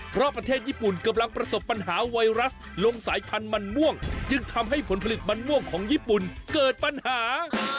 เพราะประเทศญี่ปุ่นกำลังประสบปัญหาไวรัสลงสายพันธุ์มันม่วงจึงทำให้ผลผลิตมันม่วงของญี่ปุ่นเกิดปัญหา